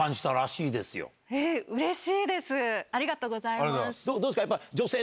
ありがとうございます。